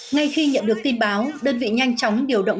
ngay khi nhận được tin báo đơn vị nhanh chóng điều động